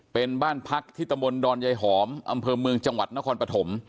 เป็นบ้านพักที่ตำบลดอนยายหอมอำเภอเมืองจังหวัดนครปฐม